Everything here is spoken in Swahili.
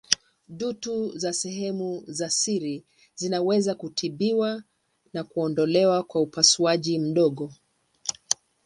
Dutu za sehemu za siri zinaweza kutibiwa na kuondolewa kwa upasuaji mdogo.